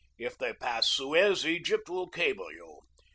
If they pass Suez, Egypt, will cable you.